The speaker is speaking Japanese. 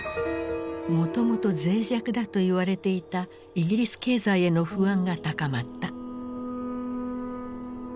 もともとぜい弱だと言われていたイギリス経済への不安が高まった。